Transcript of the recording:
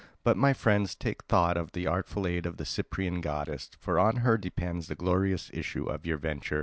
But, my friends, take thought of the artful aid of the Cyprian goddess. For on her depends the glorious issue of your venture.